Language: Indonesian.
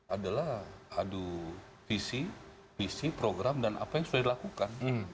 adalah adu visi visi program dan apa yang sudah dilakukan